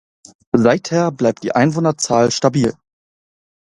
Seither bleibt die Einwohnerzahl stabil.